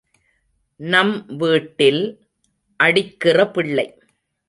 நம் வீட்டில், அடிக்கிற பிள்ளை.